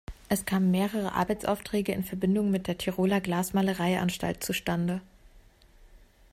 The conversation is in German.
Es kamen mehrere Arbeitsaufträge in Verbindung mit der Tiroler Glasmalereianstalt zustande.